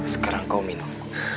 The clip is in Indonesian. sekarang kau minum